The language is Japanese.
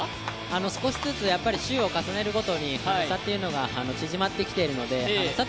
少しずつ周を重ねるごとに差が縮まってきているので佐藤